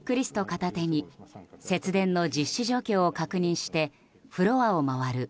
片手に節電の実施状況を確認してフロアを回る